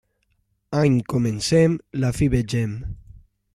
Any comencem, la fi vegem.